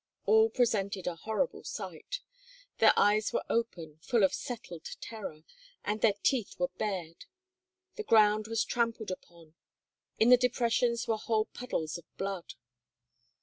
All presented a horrible sight; their eyes were open, full of settled terror, and their teeth were bared. The ground was trampled upon; in the depressions were whole puddles of blood.